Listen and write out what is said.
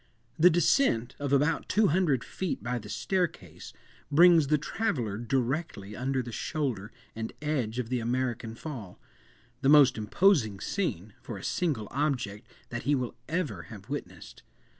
The descent of about two hundred feet by the staircase, brings the traveller directly under the shoulder and edge of the American fall—the most imposing scene, for a single object, that he will ever have witnessed.